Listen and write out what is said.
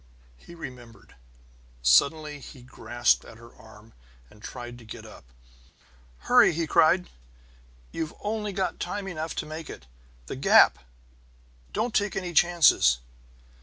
He remembered. Suddenly he grasped at her arm and tried to get up. "Hurry!" he cried. "You've only got time enough to make it! The gap don't take any chances!"